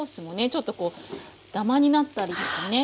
ちょっとこうダマになったりとかね